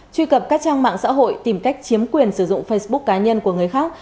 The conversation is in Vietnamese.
truy cập các trang mạng xã hội tìm cách chiếm quyền sử dụng facebook cá nhân của người khác